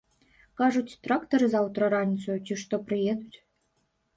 Кажуць, трактары заўтра раніцою, ці што, прыедуць.